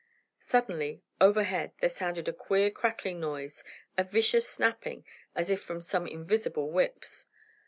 Suddenly, overhead, there sounded a queer crackling noise, a vicious, snapping, as if from some invisible whips.